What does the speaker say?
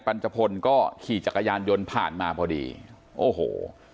ัญจพลก็ขี่จักรยานยนต์ผ่านมาพอดีโอ้โห